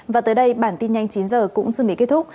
và tới đây bản tin nhanh chín giờ cũng xong để kết thúc